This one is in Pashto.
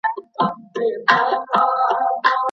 که ښاروالي پلونه پر وخت ترمیم کړي، نو لاري نه بندیږي.